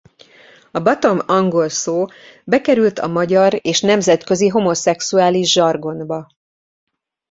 A bottom angol szó bekerült a magyar és nemzetközi homoszexuális zsargonba.